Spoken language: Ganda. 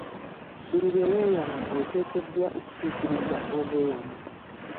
Buli lwe weyama oteekeddwa okutuukiriza obweyamo.